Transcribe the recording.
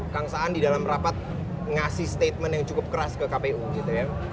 kang saan di dalam rapat ngasih statement yang cukup keras ke kpu gitu ya